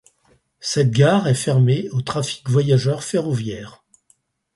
Cette gare est fermée au trafic voyageurs ferroviaire.